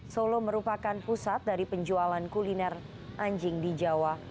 solo merupakan pusat dari penjualan kuliner anjing di jawa